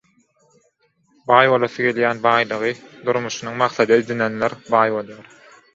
Baý bolasy gelýän, baýlygy durmuşynyň maksady edinenler baý bolýar.